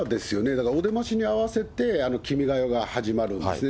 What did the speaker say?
だからお出ましに合わせて君が代が始まるんですね。